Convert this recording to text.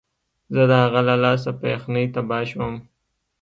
زه د هغه له لاسه په یخنۍ تباه شوم